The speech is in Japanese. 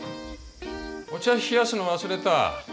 お茶冷やすの忘れた。